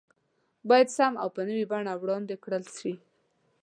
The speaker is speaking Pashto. بايد سم او په نوي بڼه وړاندې کړل شي